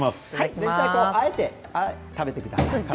あえて食べてくださいね。